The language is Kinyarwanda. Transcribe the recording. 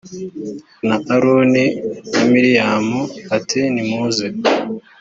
na aroni na miriyamu ati nimuze